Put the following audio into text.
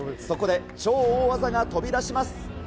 そこで超大技が飛び出します。